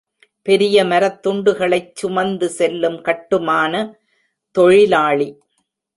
பெரிய மரத் துண்டுகளைச் சுமந்து செல்லும் கட்டுமான தொழிலாளி